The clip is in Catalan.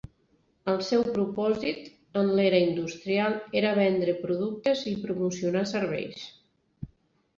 El seu propòsit en l'era industrial era vendre productes i promocionar serveis.